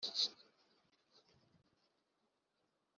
zishyira mu mutwe zirubika,